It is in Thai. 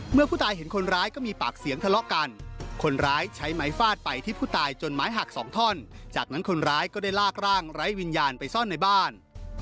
เมื่อผู้ตายเห็นคนร้ายก็มีปากเสียงทะเลาะกันคนร้ายใช้ไม้ฟาดไปที่ผู้ตายจนไม้หักสองท่อนจากนั้นคนร้ายก็ได้ลากร่างไร้วิญญาณไปซ่อนในบ้าน